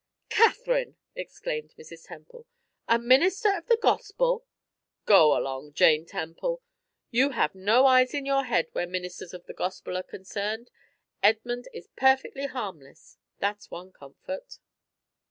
"Katharine!" exclaimed Mrs. Temple. "A minister of the gospel " "Go along, Jane Temple! You have no eyes in your head where ministers of the gospel are concerned. Edmund is perfectly harmless that's one comfort."